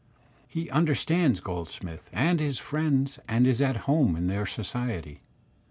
He understands Groldsmith and his friends and is at home in their society.